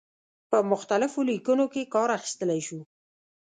په مختلفو لیکنو کې کار اخیستلای شو.